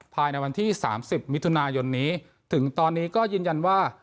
ภายในวันที่๓๐มิถุนายนนี้ถึงตอนนี้ก็ยืนยันว่า